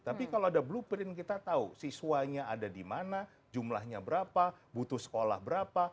tapi kalau ada blueprint kita tahu siswanya ada di mana jumlahnya berapa butuh sekolah berapa